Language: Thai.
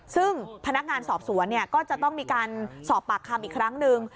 ซึ่งพนักงานสอบสวนก็จะต้องมีการสอบปากคำอีกครั้งหนึ่ง